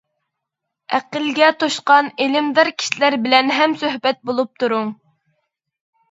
ئەقىلگە توشقان ئىلىمدار كىشىلەر بىلەن ھەمسۆھبەت بولۇپ تۇرۇڭ!